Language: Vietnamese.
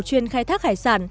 chuyên khai thác hải sản